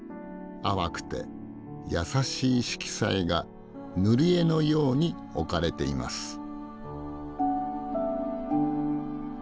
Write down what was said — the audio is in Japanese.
淡くて優しい色彩が塗り絵のように置かれています。